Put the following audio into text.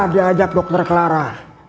diajak dokter clara